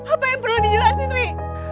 apa yang perlu dijelasin ri